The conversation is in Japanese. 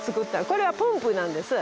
これはポンプなんです。